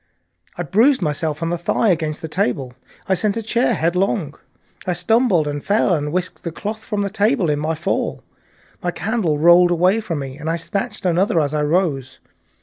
I bruised myself in the thigh against the table, I sent a chair headlong, I stumbled and fell and whisked the cloth from the table in my fall. My candle rolled away from me and I snatched another as I rose.